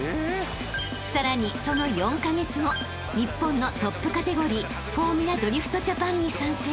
［さらにその４カ月後日本のトップカテゴリーフォーミュラドリフトジャパンに参戦］